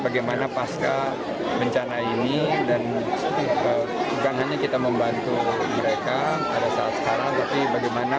bagaimana pasca bencana ini dan bukan hanya kita membantu mereka pada saat sekarang tapi bagaimana